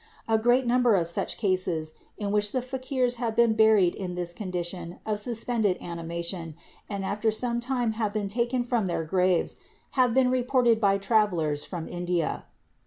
A great number of such cases, in which the fakirs have been buried in this condition of suspended ani mation and after some time have been taken from their graves, have been reported by travelers from India.